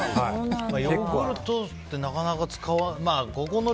ヨーグルトってなかなか使わない。